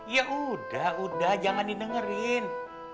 ya udah udah jangan didengerin